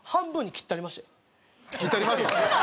「切ったりまして」？